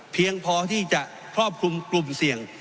เพียงพอที่จะครอบคลุมกลุ่มเสี่ยง